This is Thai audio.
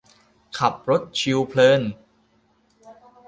ขับรถชิลเพลิน